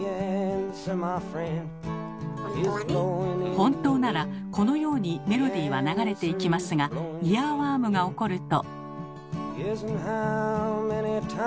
本当ならこのようにメロディーは流れていきますがイヤーワームが起こると。